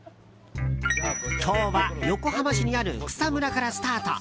今日は横浜市にある草むらからスタート。